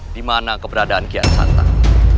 dimana keberadaan kian santang